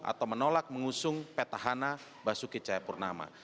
atau menolak mengusung peta hana basuki cahayapurnama